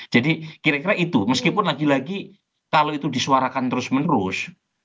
jadi kira kira itu meskipun lagi lagi kalau itu disuarakan terus menerus